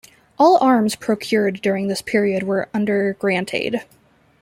All arms procured during this period were under grant aid.